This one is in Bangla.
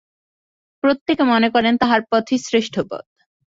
প্রত্যেকে মনে করেন, তাঁহার পথই শ্রেষ্ঠ পথ।